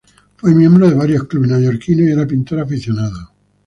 Fue miembro de varios clubes neoyorquinos, y era pintor aficionado.